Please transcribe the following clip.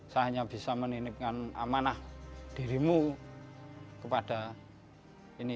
saya hanya bisa menitipkan amanah dirimu kepada ini